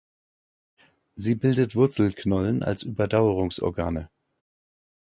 Sie bildet Wurzelknollen als Überdauerungsorgane.